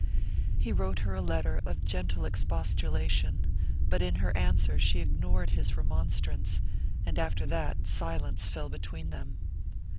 He wrote her a letter of gentle expostulation, but in her answer she ignored his remonstrance; and after that silence fell between them.